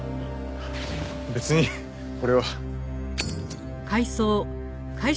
別にこれは。